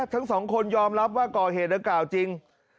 ทั้งสองคนยอมรับว่าก่อเหตุดังกล่าวจริง